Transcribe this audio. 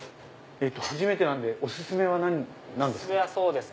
初めてなんでお薦めは何ですか？